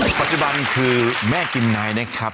ปัจจุบันคือแม่กิมไนท์นะครับ